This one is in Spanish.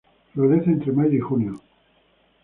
Florece entre mayo y junio.